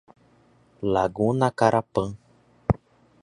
Laguna Carapã